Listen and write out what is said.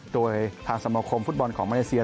โดยทางสมคมฟุตบอลของมาเลเซีย